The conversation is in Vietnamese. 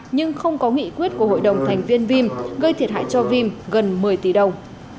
nhưng không có nghị quyết của hội đồng thành viên vim gây thiệt hại cho vim gần một mươi tỷ đồng